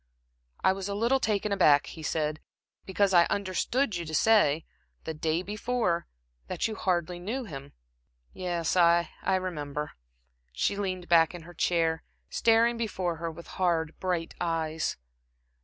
"I was a little taken aback," he said, "because I understood you to say the day before that you hardly knew him." "Yes, I I remember." She leaned back in her chair, staring before her with hard, bright eyes.